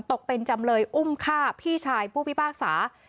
ตกเป็นจำเลยอุ้มฆ่าพี่ชายผู้พิพากษา